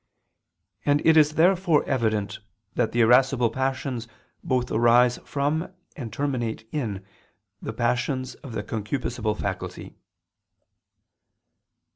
And it is therefore evident that the irascible passions both arise from and terminate in the passions of the concupiscible faculty.